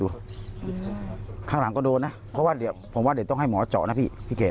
สูรภาพบาสทางหลังก็โดนนะก็ว่าเดี๋ยวผมว่าเดี๋ยวต้องให้หมอจ๋อนะพี่พี่เกรด